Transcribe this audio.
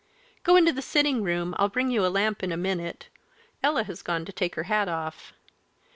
"Go into the sitting room, I'll bring you a lamp in a minute. Ella has gone to take her hat off."